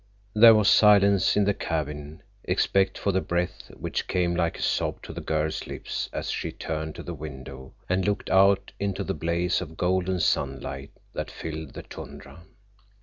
There was silence in the cabin, except for the breath which came like a sob to the girl's lips as she turned to the window and looked out into the blaze of golden sunlight that filled the tundra.